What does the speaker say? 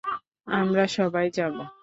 আমরা সবাই যাব।